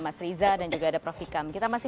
mas riza dan juga ada prof hikam kita masih